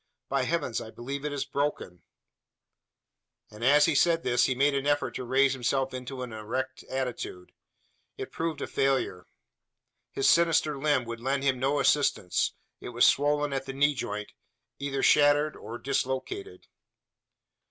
By heavens, I believe it is broken!" As he said this, he made an effort to raise himself into an erect attitude. It proved a failure. His sinister limb would lend him no assistance: it was swollen at the knee joint either shattered or dislocated.